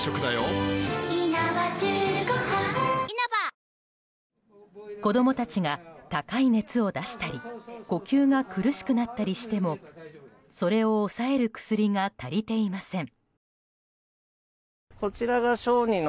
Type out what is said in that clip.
脂肪に選べる「コッコアポ」子供たちが高い熱を出したり呼吸が苦しくなったりしてもそれを抑える薬が足りていません。